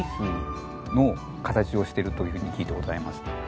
そうですね。というふうに聞いてございます。